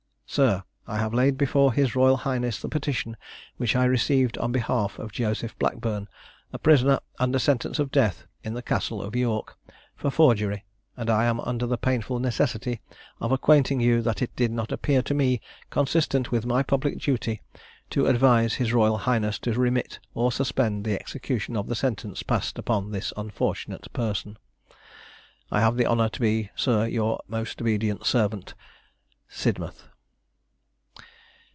"SIR, I have laid before his Royal Highness the petition which I received on behalf of Joseph Blackburn, a prisoner under sentence of death in the Castle of York, for forgery; and I am under the painful necessity of acquainting you, that it did not appear to me consistent with my public duty, to advise his Royal Highness to remit or suspend the execution of the sentence passed upon this unfortunate person. "I have the honour to be, "Sir, your most obedient servant, (Signed) "SIDMOUTH."